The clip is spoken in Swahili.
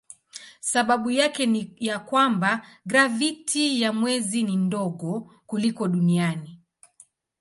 Sababu yake ni ya kwamba graviti ya mwezi ni ndogo kuliko duniani.